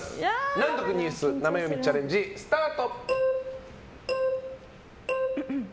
難読ニュース生読みチャレンジスタート！